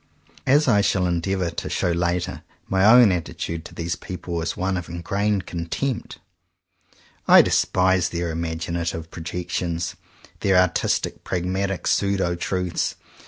As I shall endeavour to show later, my own attitude to these people is one of in grained contempt. I despise their imag inative projections, their artistic, pragmatic pseudo truths.